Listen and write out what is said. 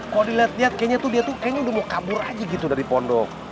kalau dilihat lihat kayaknya tuh dia tuh kayaknya udah mau kabur aja gitu dari pondok